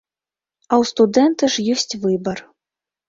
А ў студэнта ж ёсць выбар.